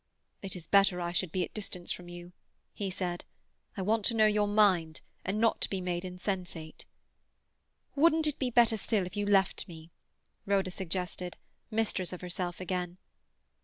"It is better I should be at a distance from you," he said. "I want to know your mind, and not to be made insensate." "Wouldn't it be better still if you left me?" Rhoda suggested, mistress of herself again.